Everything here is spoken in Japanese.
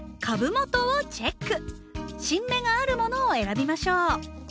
新芽があるものを選びましょう。